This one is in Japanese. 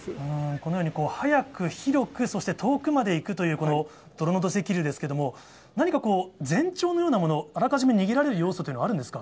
このように、速く広く、そして遠くまでいくという、泥の土石流ですけれども、何か、前兆のようなもの、あらかじめ逃げられる要素というのはあるんですか。